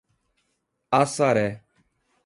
Assaré